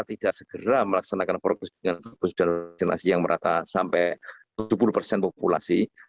tidak segera melaksanakan provokasi dengan provokasi dan vaksinasi yang merata sampai tujuh puluh persen populasi